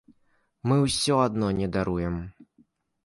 Мы ўсё адно не даруем!